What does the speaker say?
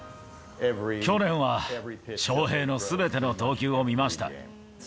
去年は翔平のすべての投球を見ました。